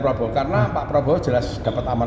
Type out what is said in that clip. prabowo berjahit aman